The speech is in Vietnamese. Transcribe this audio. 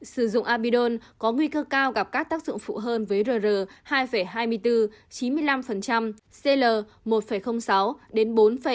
sử dụng abidon có nguy cơ cao gặp các tác dụng phụ hơn với rr hai hai mươi bốn chín mươi năm cl một sáu đến bốn ba mươi